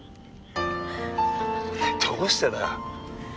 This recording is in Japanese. どうしてだ？